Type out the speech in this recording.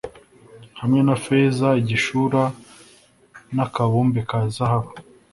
hamwe na feza, igishura, n'akabumbe ka zahabu